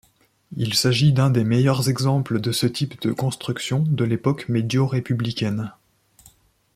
Il s'agit d'un des meilleurs exemples de ce type de construction de l'époque médio-républicaine.